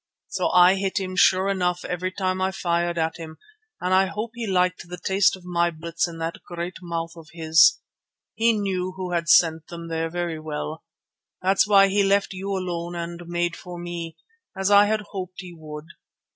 So I hit him sure enough every time I fired at him, and I hope he liked the taste of my bullets in that great mouth of his. He knew who had sent them there very well. That's why he left you alone and made for me, as I had hoped he would.